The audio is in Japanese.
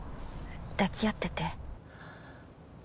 抱き合ってて。